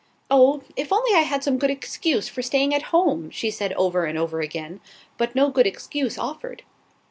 "Oh, if I only had some good excuse for staying at home!" she said over and over again; but no good excuse offered.